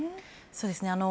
そうですね。